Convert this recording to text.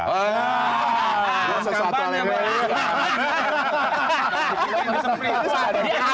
dia sesuatu alih alih